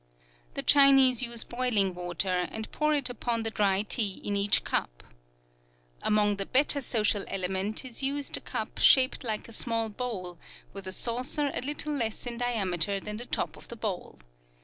The Chinese use boiling water, and pour it upon the dry tea in each cup. Among the better social element is used a cup shaped like a small bowl, with a saucer a little less in diameter than the top of the bowl.